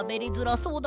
そうだ！